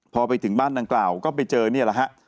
พอไปถึงบ้านดังกล่าวก็ไปเจอนี่แหละฮะ